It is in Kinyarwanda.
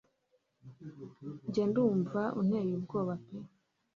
njye ndumva unteye ubwoba pe